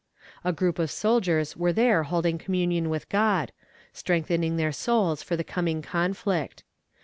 A group of soldiers were there holding communion with God strengthening their souls for the coming conflict.